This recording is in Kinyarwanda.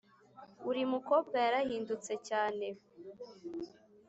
uri mukobwa yarahindutse cyane